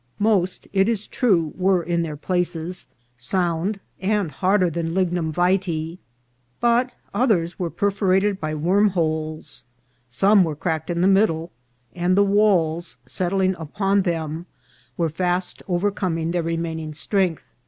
Most, it is true, were in their places, sound, and harder than lignum vitse ; but others were perforated by wormholes ; some were cracked in the middle, and the walls, settling upon them, were fast overcoming their remaining strength; INTERIOR OF THE GOVERNOR'S HOUSE.